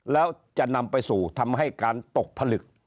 แล้วจะนำไปสู่ทำให้การตกผลึก